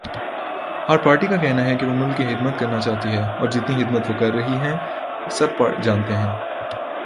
ہر party کا کہنا ہے کے وہ ملک کی خدمت کرنا چاہتی ہے اور جتنی خدمات وہ کرر ہی ہیں سب جانتے ہیں